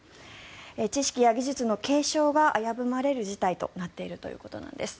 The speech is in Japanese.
知識や技術の継承が危ぶまれる事態となっているということなんです。